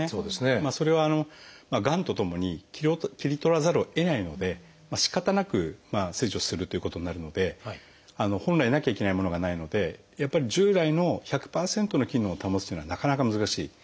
それはがんとともに切り取らざるをえないのでしかたなく切除するということになるので本来なきゃいけないものがないのでやっぱり従来の１００％の機能を保つというのはなかなか難しい。